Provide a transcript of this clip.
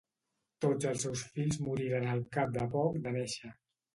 Tots els seus fills moriren al cap de poc de néixer.